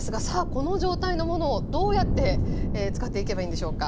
この状態のものをどうやって使っていけばいいんでしょうか。